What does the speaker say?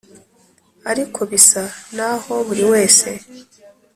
ariko bisa naho buriwese